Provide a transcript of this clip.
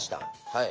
はい。